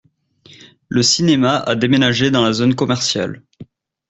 Le cinéma a déménagé dans la zone commerciale.